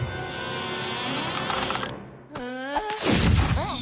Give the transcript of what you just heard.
うん？